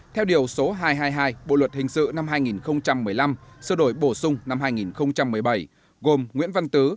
theo điều số hai trăm hai mươi hai bộ luật hình sự năm hai nghìn một mươi năm sơ đổi bổ sung năm hai nghìn một mươi bảy gồm nguyễn văn tứ